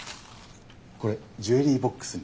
これジュエリーボックスに。